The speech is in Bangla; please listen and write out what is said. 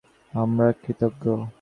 সেজন্য তাঁহাদের সকলের নিকট আমরা কৃতজ্ঞ।